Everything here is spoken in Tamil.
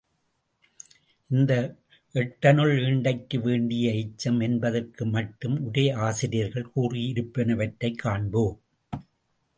இந்த எட்டனுள் ஈண்டைக்கு வேண்டிய எச்சம் என்பதற்கு மட்டும் உரையாசிரியர்கள் கூறியிருப்பனவற்றைக் காண்போம்.